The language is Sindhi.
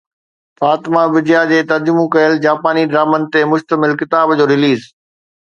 فاطمه بجيا جي ترجمو ڪيل جاپاني ڊرامن تي مشتمل ڪتاب جو رليز